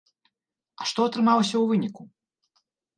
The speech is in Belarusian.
А што атрымалася ў выніку?